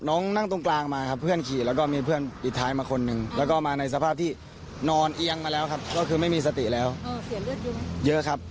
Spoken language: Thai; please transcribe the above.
นอนเอียงมาแล้วครับก็คือไม่มีสติแล้วเออเสียเลือดเยอะไหมเยอะครับ